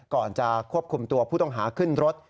ก่อนจะควบคุมตัวผู้ต้องหาขึ้นรถ